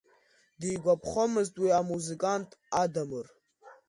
Дигәаԥхомызт уи амузыкант Адамыр.